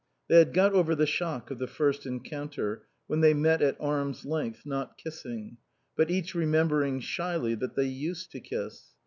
They had got over the shock of the first encounter, when they met at arms' length, not kissing, but each remembering, shyly, that they used to kiss.